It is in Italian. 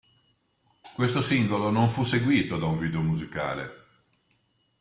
Questo singolo non fu seguito da un video musicale.